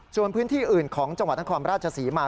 จนพื้นที่อื่นของจังหวัดทางความราชศรีมา